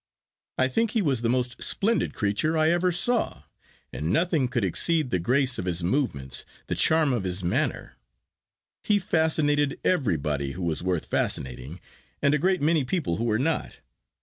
I think he was the most splendid creature I ever saw, and nothing could exceed the grace of his movements, the charm of his manner. He fascinated everybody who was worth fascinating, and a great many people who were not.